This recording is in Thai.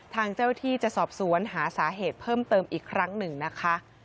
ทางเจ้าที่จะสอบสวนหาสาเหตุเพิ่มเติมอีกครั้งหนึ่งนะคะ